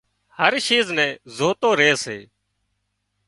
هر شيز نين زوتو ري سي